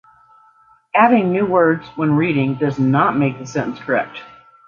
Adding new words when reading does not make the sentence correct.